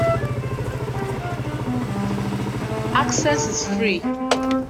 Access is free.